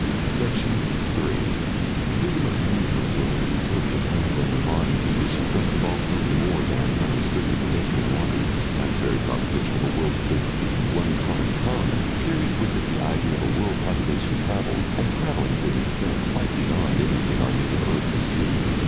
Section 3 Freedom of movement in a Utopia planned under modern conditions must involve something more than unrestricted pedestrian wanderings, and the very proposition of a world state speaking one common tongue carries with it the idea of a world population travelled and travelling to an extent quite beyond anything our native earth has seen.